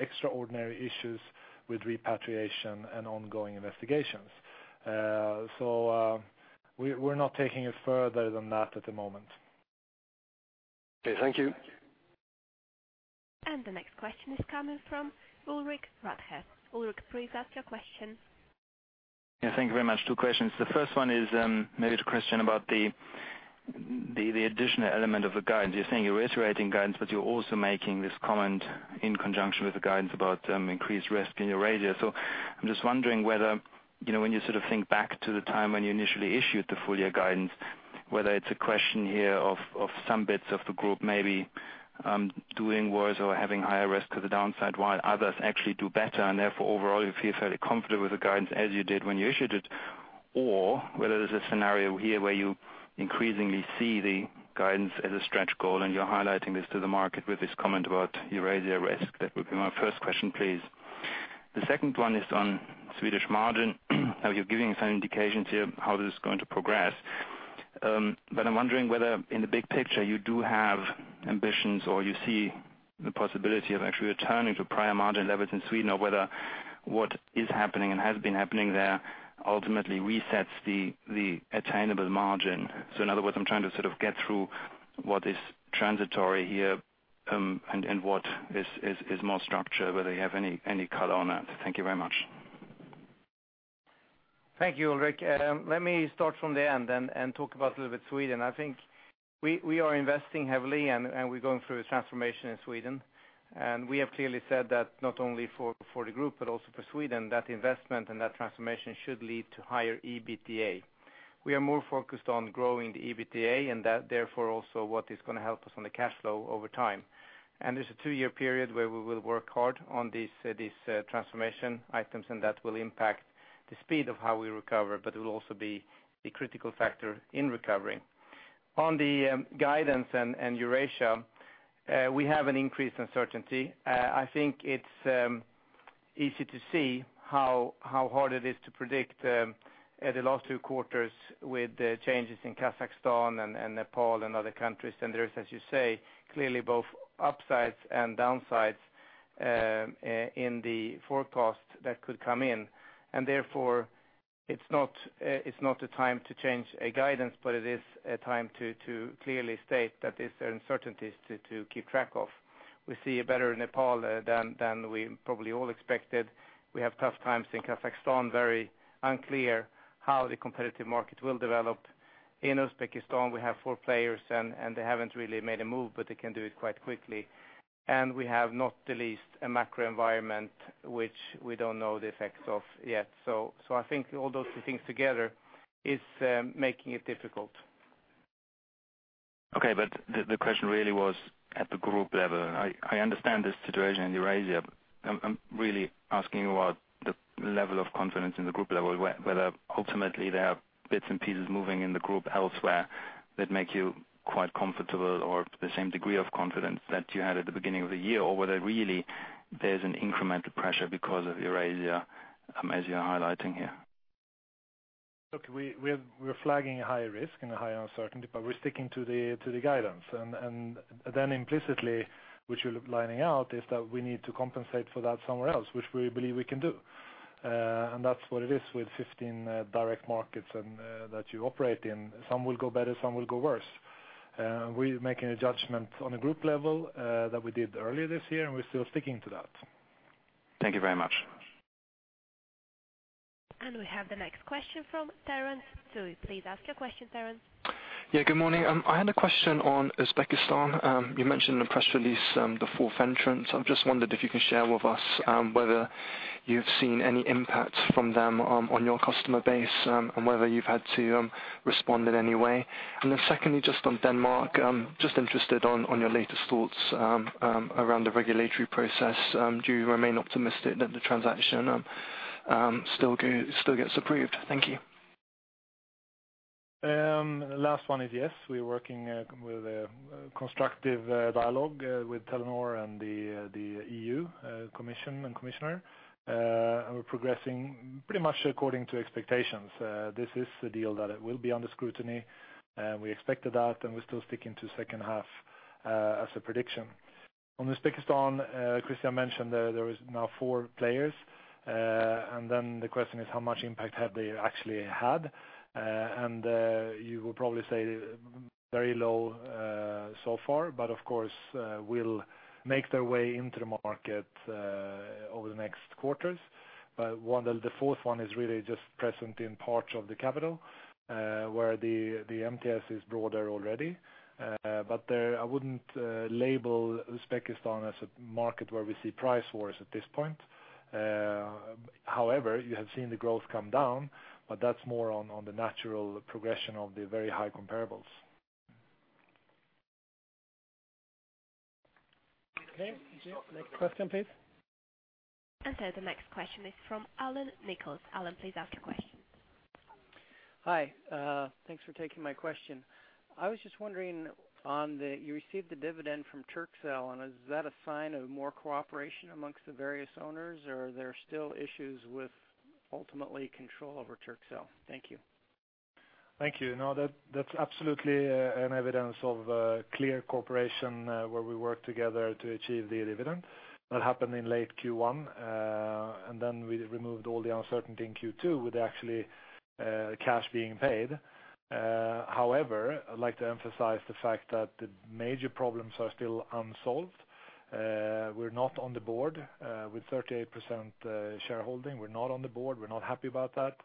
extraordinary issues with repatriation and ongoing investigations. We're not taking it further than that at the moment. Okay, thank you. The next question is coming from Ulrich Rathe. Ulrich, please ask your question. Yeah, thank you very much. Two questions. The first one is maybe the question about the additional element of the guidance. You're saying you're reiterating guidance, but you're also making this comment in conjunction with the guidance about increased risk in Eurasia. I'm just wondering whether, when you think back to the time when you initially issued the full year guidance, whether it's a question here of some bits of the group maybe doing worse or having higher risk to the downside, while others actually do better, and therefore overall, you feel fairly confident with the guidance as you did when you issued it. Or whether there's a scenario here where you increasingly see the guidance as a stretch goal and you're highlighting this to the market with this comment about Eurasia risk. That would be my first question, please. The second one is on Swedish margin. Now you're giving some indications here how this is going to progress. I'm wondering whether in the big picture you do have ambitions or you see the possibility of actually returning to prior margin levels in Sweden, or whether what is happening and has been happening there ultimately resets the attainable margin. In other words, I'm trying to get through what is transitory here and what is more structured, whether you have any color on that. Thank you very much. Thank you, Ulrich. Let me start from the end and talk about a little bit Sweden. I think we are investing heavily and we're going through a transformation in Sweden. We have clearly said that not only for the group, but also for Sweden, that investment and that transformation should lead to higher EBITDA. We are more focused on growing the EBITDA and that therefore also what is going to help us on the cash flow over time. There's a two-year period where we will work hard on these transformation items, and that will impact the speed of how we recover, but it will also be the critical factor in recovery. On the guidance and Eurasia, we have an increased uncertainty. I think it's easy to see how hard it is to predict the last two quarters with the changes in Kazakhstan and Nepal and other countries. There is, as you say, clearly both upsides and downsides in the forecast that could come in. Therefore it's not the time to change a guidance, but it is a time to clearly state that there's uncertainties to keep track of. We see a better Nepal than we probably all expected. We have tough times in Kazakhstan, very unclear how the competitive market will develop. In Uzbekistan, we have four players and they haven't really made a move, but they can do it quite quickly. We have not the least, a macro environment which we don't know the effects of yet. I think all those things together is making it difficult. The question really was at the group level. I understand the situation in Eurasia. I'm really asking about the level of confidence in the group level, whether ultimately there are bits and pieces moving in the group elsewhere that make you quite comfortable or the same degree of confidence that you had at the beginning of the year, or whether really there's an incremental pressure because of Eurasia as you're highlighting here. We're flagging a high risk and a high uncertainty, but we're sticking to the guidance. Implicitly, which you're lining out, is that we need to compensate for that somewhere else, which we believe we can do. That's what it is with 15 direct markets that you operate in. Some will go better, some will go worse. We're making a judgment on a group level that we did earlier this year, and we're still sticking to that. Thank you very much. We have the next question from Terence Tsui. Please ask your question, Terence. Yeah, good morning. I had a question on Uzbekistan. You mentioned in the press release the fourth entrance. I have just wondered if you can share with us whether you have seen any impact from them on your customer base, and whether you have had to respond in any way. Secondly, just on Denmark, just interested on your latest thoughts around the regulatory process. Do you remain optimistic that the transaction still gets approved? Thank you. Last one is yes, we are working with a constructive dialogue with Telenor and the European Commission and Commissioner. We are progressing pretty much according to expectations. This is a deal that will be under scrutiny. We expected that, and we are still sticking to second half as a prediction. On Uzbekistan, Christian mentioned there is now four players. The question is how much impact have they actually had? You will probably say very low so far, but of course, will make their way into the market over the next quarters. The fourth one is really just present in parts of the capital, where the MTS is broader already. I wouldn't label Uzbekistan as a market where we see price wars at this point. However, you have seen the growth come down, but that's more on the natural progression of the very high comparables. Okay. Next question, please. The next question is from Alan Nichols. Alan, please ask your question. Hi. Thanks for taking my question. I was just wondering on the, you received the dividend from Turkcell, and is that a sign of more cooperation amongst the various owners, or are there still issues with ultimately control over Turkcell? Thank you. Thank you. No, that's absolutely an evidence of a clear cooperation where we work together to achieve the dividend. That happened in late Q1. Then we removed all the uncertainty in Q2 with actually cash being paid. However, I'd like to emphasize the fact that the major problems are still unsolved. We're not on the board with 38% shareholding. We're not on the board. We're not happy about that.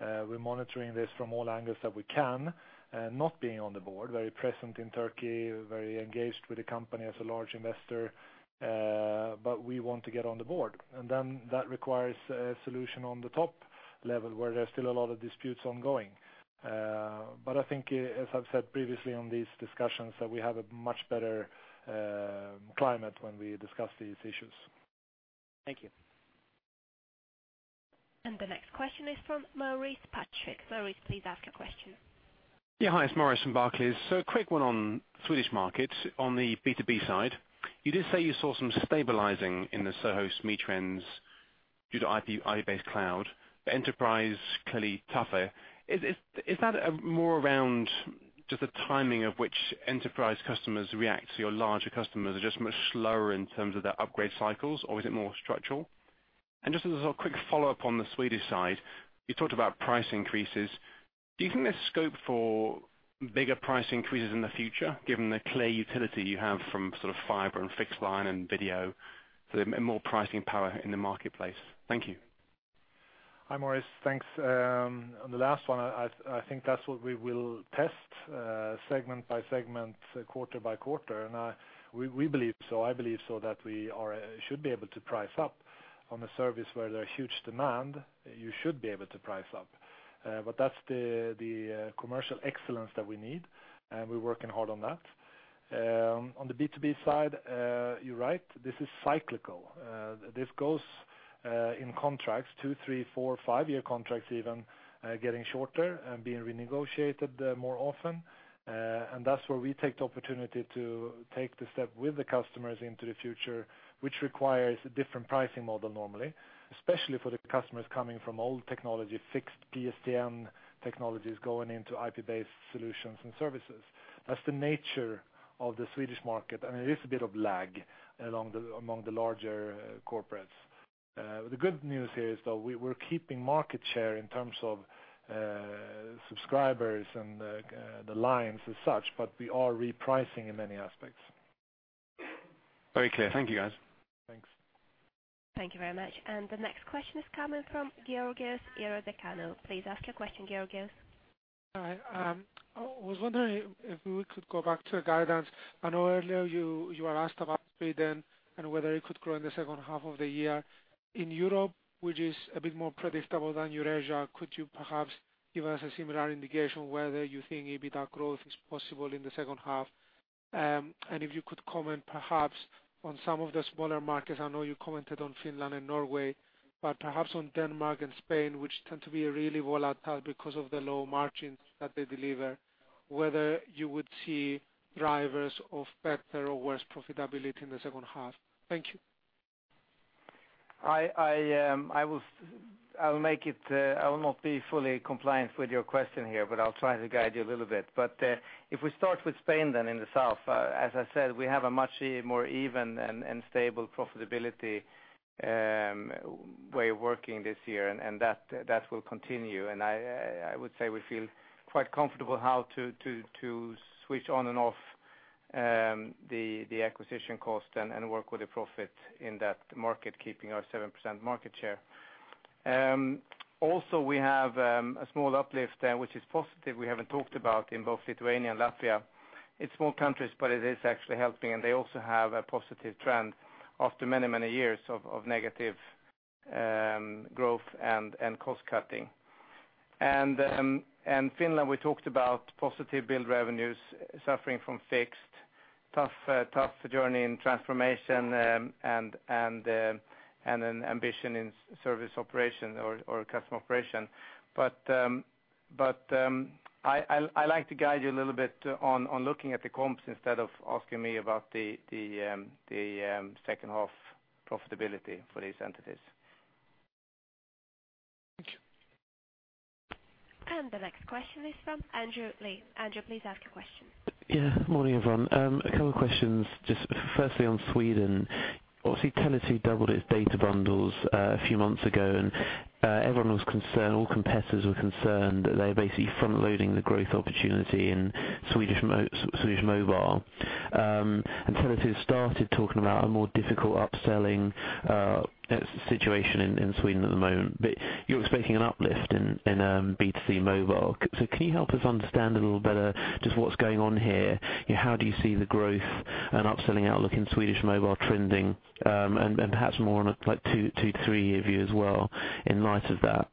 We're monitoring this from all angles that we can. Not being on the board, very present in Turkey, very engaged with the company as a large investor, but we want to get on the board. That requires a solution on the top level, where there's still a lot of disputes ongoing. I think, as I've said previously on these discussions, that we have a much better climate when we discuss these issues. Thank you. The next question is from Maurice Patrick. Maurice, please ask your question. Yeah. Hi, it's Maurice from Barclays. A quick one on Swedish market. On the B2B side, you did say you saw some stabilizing in the SOHO SME trends due to IP-based cloud. The enterprise, clearly tougher. Is that more around just the timing of which enterprise customers react to your larger customers are just much slower in terms of their upgrade cycles, or is it more structural? Just as a quick follow-up on the Swedish side, you talked about price increases. Do you think there's scope for bigger price increases in the future, given the clear utility you have from fiber and fixed-line and video, so more pricing power in the marketplace? Thank you. Hi, Maurice. Thanks. On the last one, I think that's what we will test segment by segment, quarter by quarter. We believe so, I believe so that we should be able to price up on a service where there are huge demand, you should be able to price up. That's the commercial excellence that we need, and we're working hard on that. On the B2B side, you're right. This is cyclical. This goes in contracts, two, three, four, five-year contracts even, getting shorter and being renegotiated more often. That's where we take the opportunity to take the step with the customers into the future, which requires a different pricing model normally, especially for the customers coming from old technology, fixed PSTN technologies going into IP-based solutions and services. That's the nature of the Swedish market, and it is a bit of lag among the larger corporates. The good news here is though, we're keeping market share in terms of subscribers and the lines as such, but we are repricing in many aspects. Very clear. Thank you, guys. Thanks. Thank you very much. The next question is coming from Georgios Ierodiaconou. Please ask your question, Georgios. Hi. I was wondering if we could go back to the guidance. I know earlier you were asked about Sweden and whether it could grow in the second half of the year. In Europe, which is a bit more predictable than Eurasia, could you perhaps Give us a similar indication whether you think EBITDA growth is possible in the second half. If you could comment perhaps on some of the smaller markets. I know you commented on Finland and Norway, but perhaps on Denmark and Spain, which tend to be really volatile because of the low margins that they deliver, whether you would see drivers of better or worse profitability in the second half. Thank you. I will not be fully compliant with your question here, but I'll try to guide you a little bit. If we start with Spain, then in the south, as I said, we have a much more even and stable profitability way of working this year, and that will continue. I would say we feel quite comfortable how to switch on and off the acquisition cost and work with a profit in that market, keeping our 7% market share. We have a small uplift there, which is positive, we haven't talked about in both Lithuania and Latvia. It's small countries, but it is actually helping, and they also have a positive trend after many years of negative growth and cost-cutting. Finland, we talked about positive build revenues suffering from fixed, tough journey in transformation, and an ambition in service operation or customer operation. I like to guide you a little bit on looking at the comps instead of asking me about the second half profitability for these entities. Thank you. The next question is from Andrew Lee. Andrew, please ask your question. Morning, everyone. A couple questions. Just firstly, on Sweden. Tele2 doubled its data bundles a few months ago, and everyone was concerned, all competitors were concerned that they're basically front-loading the growth opportunity in Swedish Mobile. Tele2 started talking about a more difficult upselling situation in Sweden at the moment. You're expecting an uplift in B2C Mobile. Can you help us understand a little better just what's going on here? How do you see the growth and upselling outlook in Swedish Mobile trending? Perhaps more on a 2-to-3-year view as well in light of that.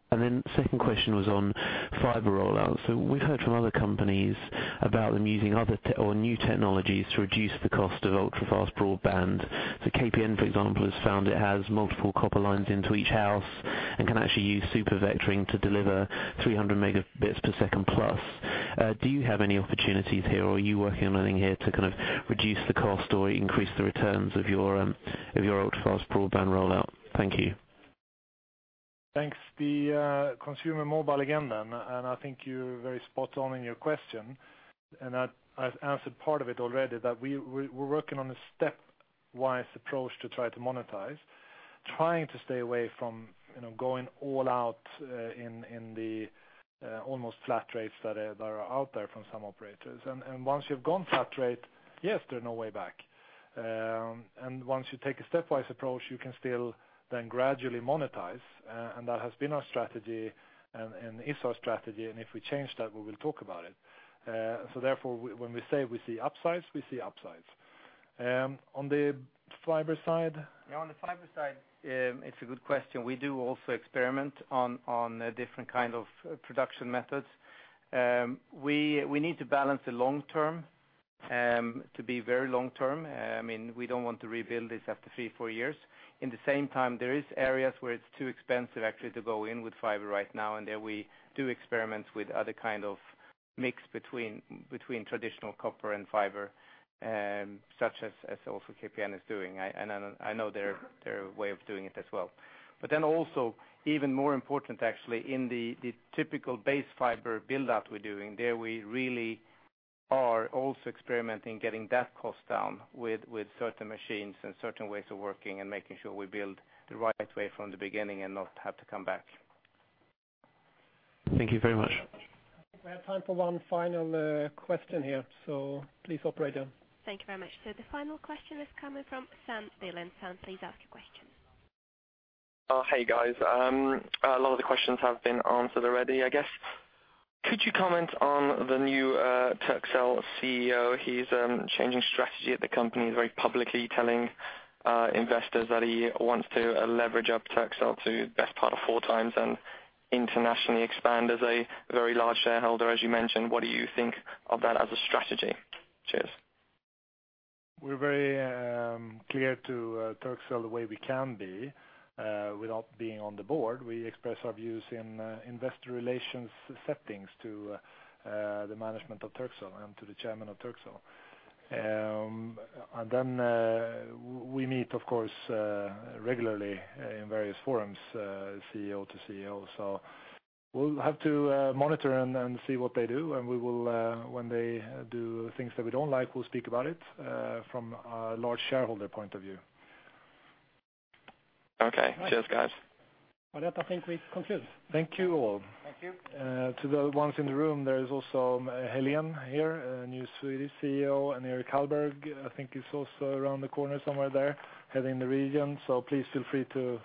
Second question was on fiber rollout. We've heard from other companies about them using other or new technologies to reduce the cost of ultra-fast broadband. KPN, for example, has found it has multiple copper lines into each house and can actually use super vectoring to deliver 300 megabits per second plus. Do you have any opportunities here or are you working on anything here to kind of reduce the cost or increase the returns of your ultra-fast broadband rollout? Thank you. Thanks. The consumer mobile again, and I think you're very spot on in your question, and I've answered part of it already, that we're working on a stepwise approach to try to monetize. Trying to stay away from going all out in the almost flat rates that are out there from some operators. Once you've gone flat rate, yes, there are no way back. Once you take a stepwise approach, you can still then gradually monetize. That has been our strategy and is our strategy. If we change that, we will talk about it. Therefore, when we say we see upsides, we see upsides. On the fiber side? On the fiber side, it's a good question. We do also experiment on different kind of production methods. We need to balance the long term to be very long term. We don't want to rebuild this after three, four years. In the same time, there is areas where it's too expensive actually to go in with fiber right now, and there we do experiments with other kind of mix between traditional copper and fiber, such as also KPN is doing. I know their way of doing it as well. Also, even more important actually in the typical base fiber build-out we're doing, there we really are also experimenting getting that cost down with certain machines and certain ways of working and making sure we build the right way from the beginning and not have to come back. Thank you very much. I think we have time for one final question here. Please operator. Thank you very much. The final question is coming from Sa Dhillon. Sam, please ask your question. Hey, guys. A lot of the questions have been answered already, I guess. Could you comment on the new Turkcell CEO? He's changing strategy at the company. He's very publicly telling investors that he wants to leverage up Turkcell to best part of 4 times and internationally expand. As a very large shareholder, as you mentioned, what do you think of that as a strategy? Cheers. We're very clear to Turkcell the way we can be, without being on the board. We express our views in investor relations settings to the management of Turkcell and to the chairman of Turkcell. Then we meet, of course, regularly in various forums, CEO to CEO. We'll have to monitor and see what they do, and we will when they do things that we don't like, we'll speak about it from a large shareholder point of view. Okay. Cheers, guys. Marietta, I think we conclude. Thank you all. Thank you. To the ones in the room, there is also Hélène here, new Swedish CEO, and Erik Hallberg, I think is also around the corner somewhere there, heading the region. Please feel free to